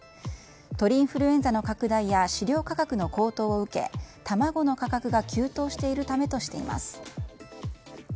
鳥インフルエンザの拡大や飼料価格の高騰を受け卵の価格が急騰しているためとしています。